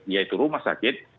yaitu rumah sakit